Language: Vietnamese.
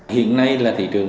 hiện nay là thị trường